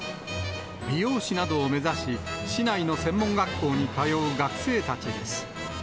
美容師などを目指し、市内の専門学校に通う学生たちです。